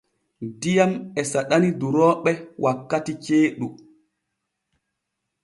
Diyam e saɗani durooɓe wakkati ceeɗu.